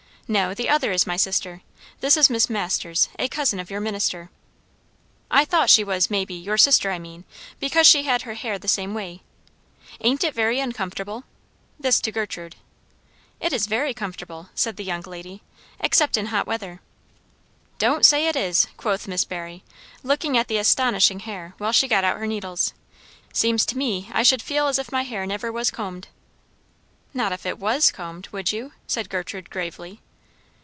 "No, the other is my sister. This is Miss Masters; a cousin of your minister." "I thought she was, maybe, your sister, I mean, because she had her hair the same way. Ain't it very uncomfortable?" This to Gertrude. "It is very comfortable," said the young lady; "except in hot weather." "Don't say it is!" quoth Miss Barry, looking at the astonishing hair while she got out her needles. "Seems to me I should feel as if my hair never was combed." "Not if it was combed, would you?" said Gertrude gravely.